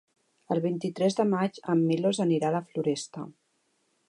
El vint-i-tres de maig en Milos anirà a la Floresta.